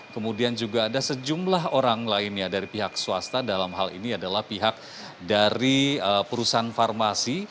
kemudian juga ada sejumlah orang lainnya dari pihak swasta dalam hal ini adalah pihak dari perusahaan farmasi